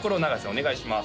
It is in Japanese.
お願いします